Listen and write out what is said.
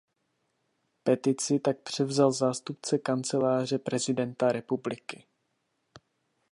Petici tak převzal zástupce Kanceláře prezidenta republiky.